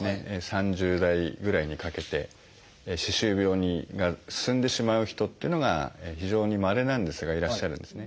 ３０代ぐらいにかけて歯周病が進んでしまう人っていうのが非常にまれなんですがいらっしゃるんですね。